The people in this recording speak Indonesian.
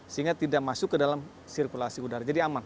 sehingga tidak masuk ke dalam sirkulasi udara jadi aman